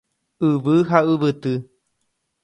Yvy ha yvyty.